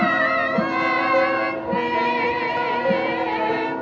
mereka sembunyi di dimulai